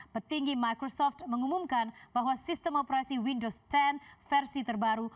petinggi microsoft mengumumkan bahwa sistem operasi windows sepuluh versi terbaru